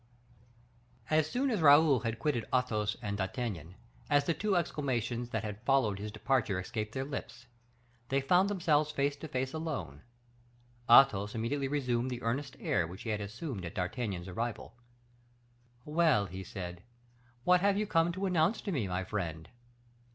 As soon as Raoul had quitted Athos and D'Artagnan, as the two exclamations that had followed his departure escaped their lips, they found themselves face to face alone. Athos immediately resumed the earnest air that he had assumed at D'Artagnan's arrival. "Well," he said, "what have you come to announce to me, my friend?"